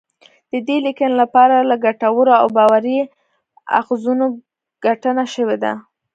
د دې لیکنی لپاره له ګټورو او باوري اخځونو ګټنه شوې ده